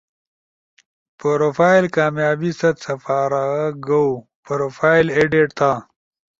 پروفائل کامیابی ست سپارا گؤ، پروفائل ایڈیٹ تھا